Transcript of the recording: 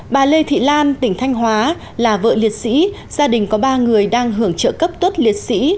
bà lê thị lan tỉnh thanh hóa là vợ liệt sĩ gia đình có ba người đang hưởng trợ cấp tuất liệt sĩ